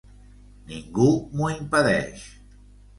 Ningú m'ho impedeix.